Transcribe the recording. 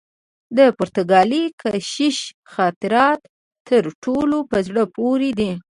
د پرتګالي کشیش خاطرات تر ټولو په زړه پوري دي.